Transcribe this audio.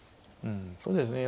そうですね